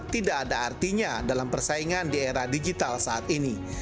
tidak ada artinya dalam persaingan di era digital saat ini